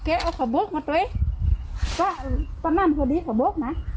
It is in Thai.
เอาขบบนมาด้วยตอนนั้นพอดีขบบนะ